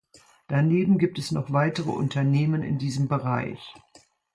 Daneben gibt es noch weitere Unternehmen in diesem Bereich.